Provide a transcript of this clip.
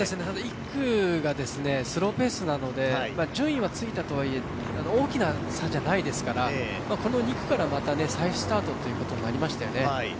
１区がスローペースなので順位はついたとはいえ、大きな差じゃないですからこの２区から、また再スタートということになりましたよね。